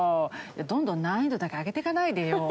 どんどん難易度だけ上げて行かないでよ。